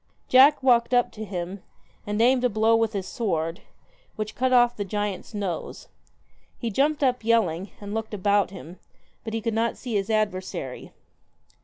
Jack walked up to him, and aimed a blow with his sword, which cut off the giant's nose. He jumped up, yelling, and looked about him, but could not see his adversary.